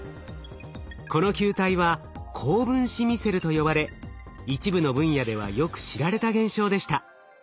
この球体は高分子ミセルと呼ばれ一部の分野ではよく知られた現象でした。